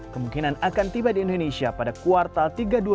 kemungkinan akan tiba di indonesia pada kuartal tiga dua ribu dua puluh